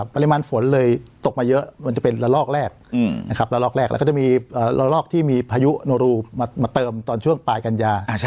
ปริมาณฝนเลยตกมาเยอะมันจะเป็นระลอกแรกระลอกแรกแล้วก็จะมีระลอกที่มีพายุโนรูมาเติมตอนช่วงปลายกันยา